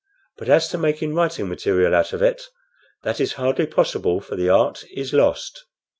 But as to making writing material out of it, that is hardly possible for the art is lost.